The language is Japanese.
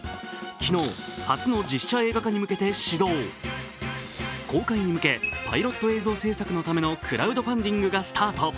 昨日、初の実写映画化に向けて始動公開に向け、パイロット映像制作のためのクラウドファンディングがスタート。